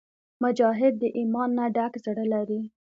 مجاهد د ایمان نه ډک زړه لري.